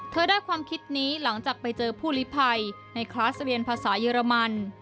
ได้ความคิดนี้หลังจากไปเจอผู้ลิภัยในคลาสเรียนภาษาเยอรมัน